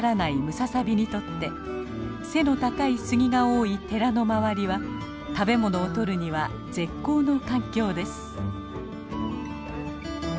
ムササビにとって背の高いスギが多い寺の周りは食べ物をとるには絶好の環境です。